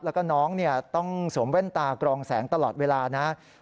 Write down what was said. แล้วก็น้องต้องสวมแว่นตากรองแสงตลอดเวลานะครับ